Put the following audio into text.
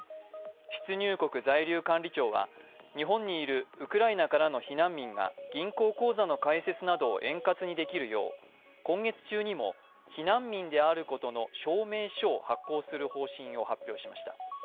出入国在留管理庁は日本にいるウクライナからの避難民が銀行口座の開設などを円滑にできるよう今月中にも避難民であることの証明書を発行する方針を発表しました。